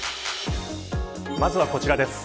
まずはこちらです。